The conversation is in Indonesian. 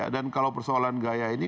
dan kalau persoalan gaya ini